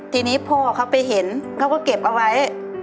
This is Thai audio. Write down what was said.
ทีนี้พ่อเขาไปเห็นเขาก็เก็บเอาไว้